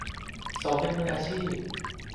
สมเป็นมืออาชีพ